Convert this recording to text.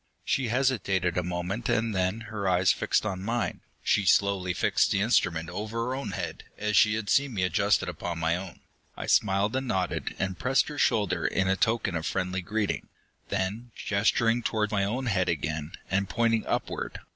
She hesitated a moment, and then, her eyes fixed on mine, she slowly fixed the instrument over her own head as she had seen me adjust it upon my own. I smiled and nodded, and pressed her shoulder in token of friendly greeting. Then, gesturing toward my own head again, and pointing upward.